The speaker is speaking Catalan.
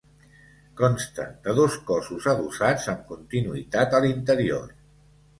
Consta de dos cossos adossats amb continuïtat a l'interior.